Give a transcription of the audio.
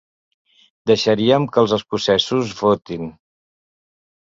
Deixaríem que els escocesos votin.